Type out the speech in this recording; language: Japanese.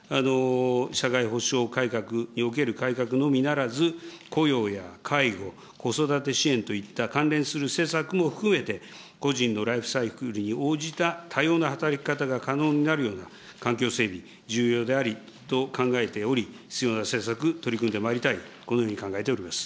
社会保障改革における改革のみならず、雇用や介護、子育て支援といった関連する施策も含めて、個人のライフサイクルに応じた多様な働き方が可能になるような環境整備、重要であると考えており、必要な施策、取り組んでまいりたい、このように考えております。